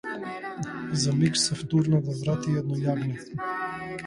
За миг се втурна да врати едно јагне.